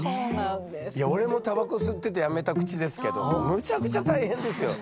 俺もタバコ吸っててやめた口ですけどむちゃくちゃ大変ですよ！